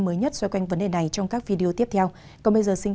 hẹn gặp lại các bạn trong những video tiếp theo